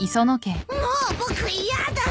もう僕嫌だ！